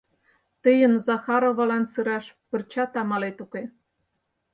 Тыйын Захаровалан сыраш пырчат амалет уке.